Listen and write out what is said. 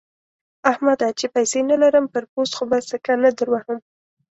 احمده! چې پيسې نه لرم؛ پر پوست خو به سکه نه دروهم.